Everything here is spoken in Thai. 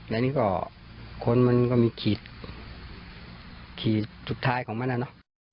และนี่ก็คนมันก็มีขีดขีดสุดท้ายของมันอะเนาะ